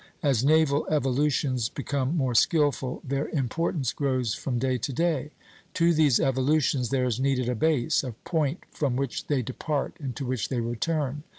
As naval evolutions become more skilful, their importance grows from day to day. To these evolutions there is needed a base, a point from which they depart and to which they return.